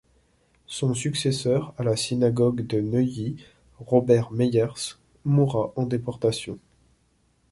Son successeur à la synagogue de Neuilly, Robert Meyers, mourra en déportation.